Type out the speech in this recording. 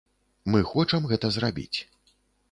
Мы хочам гэта зрабіць.